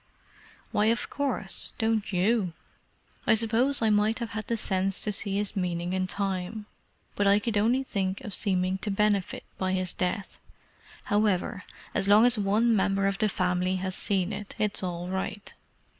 "Why, of course—don't you? I suppose I might have had the sense to see his meaning in time, but I could only think of seeming to benefit by his death. However, as long as one member of the family has seen it, it's all right."